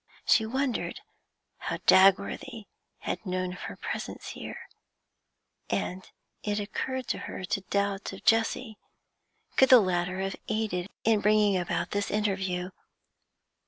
She wondered how Dagworthy had known of her presence here, and it occurred to her to doubt of Jessie; could the latter have aided in bringing about this interview?